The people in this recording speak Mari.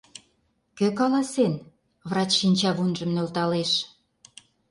— Кӧ каласен? — врач шинчавунжым нӧлталеш.